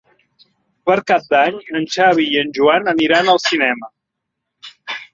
Per Cap d'Any en Xavi i en Joan aniran al cinema.